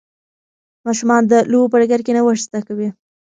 ماشومان د لوبو په ډګر کې نوښت زده کوي.